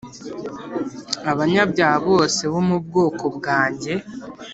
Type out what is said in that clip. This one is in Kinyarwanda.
Abanyabyaha bose bo mu bwoko bwanjye